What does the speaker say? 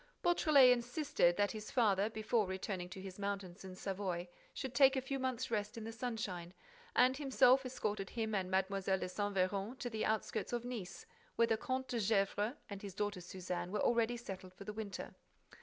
— Beautrelet insisted that his father, before returning to his mountains in Savoy, should take a few months' rest in the sunshine, and himself escorted him and Mlle. de Saint Véran to the outskirts of Nice, where the Comte de Gesvres and his daughter Suzanne were already settled for the winter.